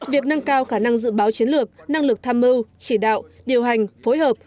việc nâng cao khả năng dự báo chiến lược năng lực tham mưu chỉ đạo điều hành phối hợp